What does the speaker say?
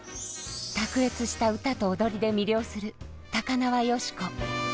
卓越した歌と踊りで魅了する高輪芳子。